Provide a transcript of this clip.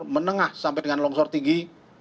menengah sampai dengan longsor tinggi